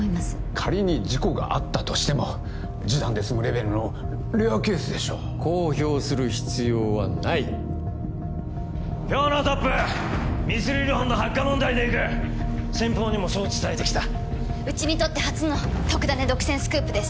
仮に事故があったとしても示談で済むレベルのレアケースでしょう公表する必要はない今日のトップミスリルフォンの発火問題でいく先方にもそう伝えてきたうちにとって初の特ダネ独占スクープです